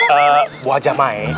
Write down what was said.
eh bu haja mae